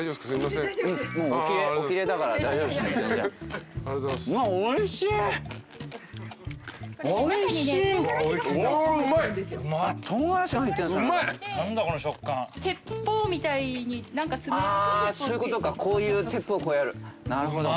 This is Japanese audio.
そういうことかこういう鉄砲なるほど。